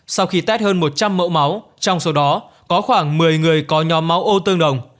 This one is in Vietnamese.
sau khi test hơn một trăm linh mẫu máu trong số đó có khoảng một mươi người có nhóm máu ô tương đồng